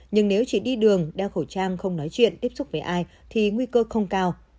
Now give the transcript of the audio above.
nhưng nếu chỉ đi đường đeo khẩu trang không nói chuyện tiếp xúc với ai thì nguy cơ không cao